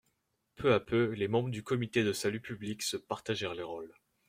Peu à peu les membres du Comité de salut public se partagèrent les rôles.